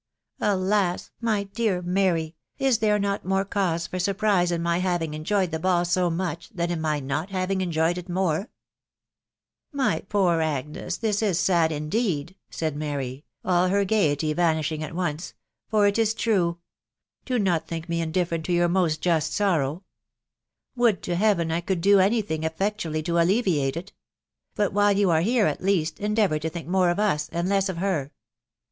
Alas ! my dear .Mary, is there not more cause for surprise in my having en joyed the ball so much, than in my not having enjoyed it more ?"" My poor Agnes, this is sad indeed," said Mary, all her ;gadety vanishing at once, " for it is true. Do not think me in different to your most just sorrow "Would to Heaven I could ^o any thing effectually to alleviate it ! But while you ave&ere, at least, endeavour to think more of us, and less of her.